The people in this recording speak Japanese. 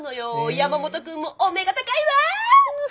山本君もお目が高いわ！